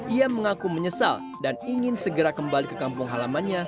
ia mengaku menyesal dan ingin segera kembali ke kampung halamannya